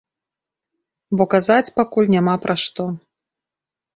Бо казаць пакуль няма пра што.